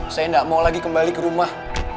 saya nggak mau lagi kembali ke rumah